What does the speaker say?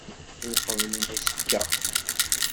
Ur qebblen isefka.